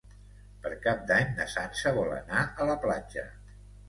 Per Cap d'Any na Sança vol anar a la platja.